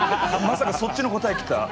まさかそっちの答え来た。